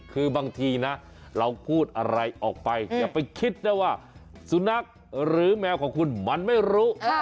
คือบางทีนะเราพูดอะไรออกไปอย่าไปคิดนะว่าสุนัขหรือแมวของคุณมันไม่รู้